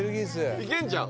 いけんじゃん